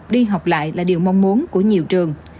đi học lại là điều mong muốn của nhiều trường